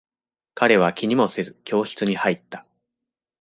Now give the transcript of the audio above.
彼は気にもせず、教室に入った。